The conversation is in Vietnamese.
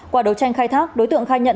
qua đấu tranh khai thác đối tượng khai nhận